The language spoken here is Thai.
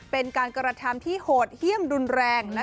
เป็นการกระทำที่โหดเยี่ยมรุนแรง